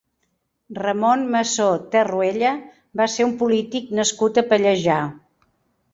Ramón Massó Tarruella va ser un polític nascut a Pallejà.